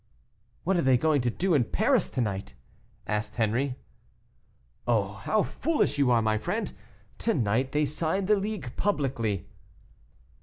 "What are they going to do in Paris to night?" asked Henri. "Oh! how foolish you are, my friend; to night they sign the League publicly."